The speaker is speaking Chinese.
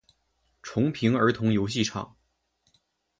重平儿童游戏场